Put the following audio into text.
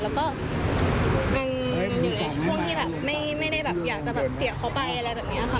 แล้วก็ยังอยู่ในช่วงที่แบบไม่ได้แบบอยากจะแบบเสียเขาไปอะไรแบบนี้ค่ะ